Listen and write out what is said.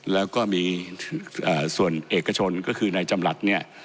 แล้วก็มีส่วนเอกชนก็คือนายจำรัฐเนี่ย